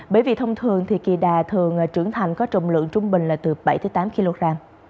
bởi vì thông thường thì kỳ đà thường trưởng thành có trọng lượng trung bình là từ bảy tám kg